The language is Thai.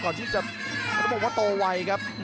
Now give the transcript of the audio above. ก่อนที่จะต้องบอกว่าโตวัยครับ